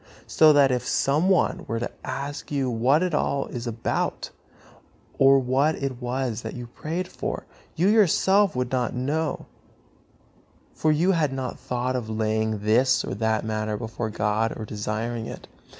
So that if some one were to ask you what it all was about, or what it was that you prayed for, you yourself would not know; for you had not thought of laying this or that matter before God or desiring it.